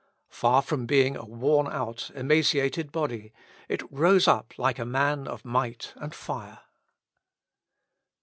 Far from being a worn out, emaciated body, it rose up like a man of might and fire.